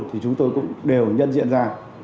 thì chúng tôi cũng đều nhân diện ra